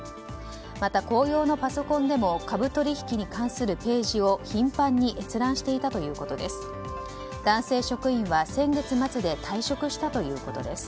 また、公用のパソコンでも株取引に関するページを頻繁に閲覧していたということです。